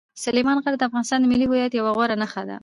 سلیمان غر د افغانستان د ملي هویت یوه غوره نښه ده.